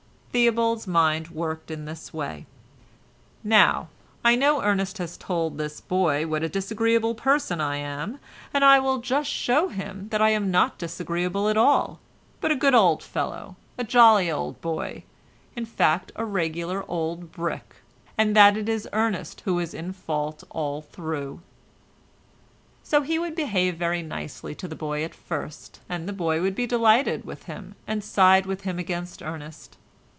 Theobald's mind worked in this way: "Now, I know Ernest has told this boy what a disagreeable person I am, and I will just show him that I am not disagreeable at all, but a good old fellow, a jolly old boy, in fact a regular old brick, and that it is Ernest who is in fault all through." So he would behave very nicely to the boy at first, and the boy would be delighted with him, and side with him against Ernest.